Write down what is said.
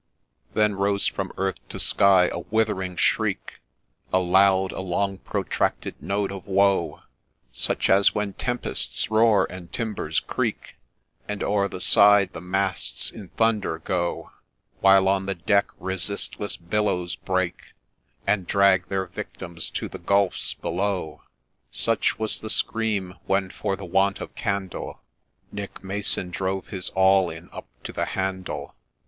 ' Then rose from earth to sky a withering shriek, A loud, a long protracted note of woe, Such as when tempests roar, and timbers creak, And o'er the side the masts in thunder go ; While on the deck resistless billows break, And drag their victims to the gulfs below ;— Such was the scream when, for the want of candle, Nick Mason drove his awl in up to the handle.